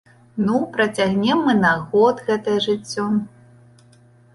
Ну, працягнем мы на год гэтае жыццё.